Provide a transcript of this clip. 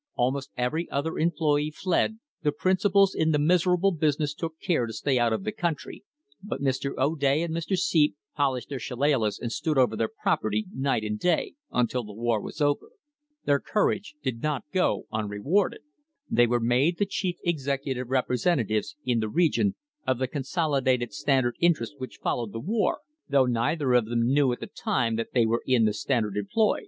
Almost every other employee fled, the principals in the miserable business took care to stay out of the country, but Mr. O'Day and Mr. Seep polished their shillalahs and stood over their property night and day until the war was over. Their courage did not go STRENGTHENING THE FOUNDATIONS unrewarded. They were made the chief executive representa tives, in the region, of the consolidated Standard interests which followed the war, though neither of them knew at the time that they were in the Standard employ.